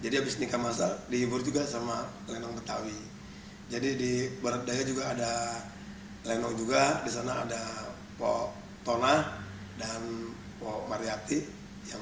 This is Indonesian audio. di jakarta selatan itu diadakan di satu babakan